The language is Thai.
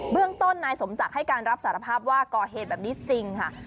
เรื่องต้นนายสมศักดิ์ให้การรับสารภาพว่าก่อเหตุแบบนี้จริงค่ะ